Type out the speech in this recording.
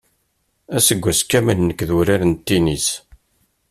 Aseggas kamel nekk d urar n tinis.